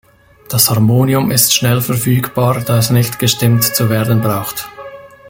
Das Harmonium ist schnell verfügbar, da es nicht gestimmt zu werden braucht.